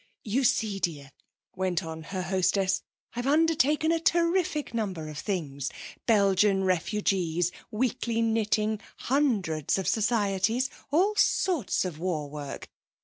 'You see, dear,' went on her hostess, 'I've undertaken a terrific number of things Belgian refugees, weekly knitting, hundreds of societies all sorts of war work.